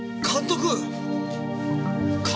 監督？